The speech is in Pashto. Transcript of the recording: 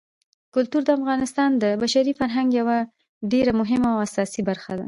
کلتور د افغانستان د بشري فرهنګ یوه ډېره مهمه او اساسي برخه ده.